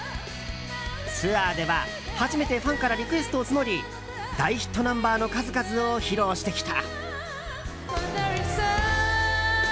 ツアーでは初めてファンからリクエストを募り大ヒットナンバーの数々を披露してきた。